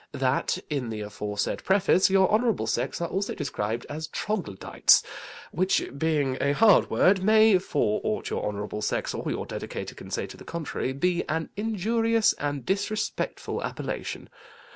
THAT in the aforesaid preface, your Honourable sex are also described as Troglodites, which, being a hard word, may, for aught your Honourable sex or your Dedicator can say to the contrary, be an injurious and disrespectful appellation.